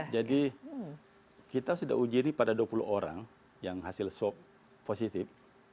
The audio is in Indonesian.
jadi kita sudah uji ini pada dua puluh orang yang hasil swab positif